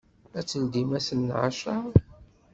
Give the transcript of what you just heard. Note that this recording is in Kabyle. Ad teldim ass n acer?